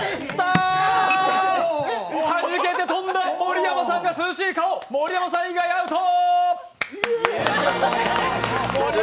弾けて飛んだ、盛山さんが涼しい顔盛山さん以外アウト！